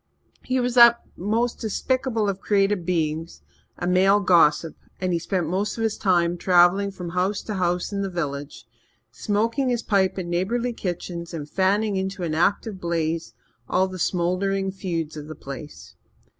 He was that most despicable of created beings, a male gossip, and he spent most of his time travelling from house to house in the village, smoking his pipe in neighbourly kitchens and fanning into an active blaze all the smouldering feuds of the place.